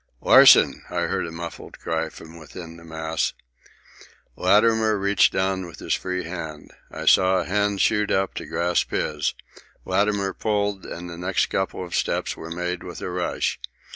"Larsen," I heard a muffled voice from within the mass. Latimer reached down with his free hand. I saw a hand shoot up to clasp his. Latimer pulled, and the next couple of steps were made with a rush.